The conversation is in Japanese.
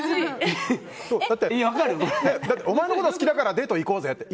だって、お前のこと好きだからデート行こうぜって。